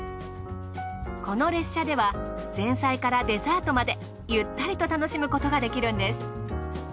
この列車では前菜からデザートまでゆったりと楽しむことができるんです。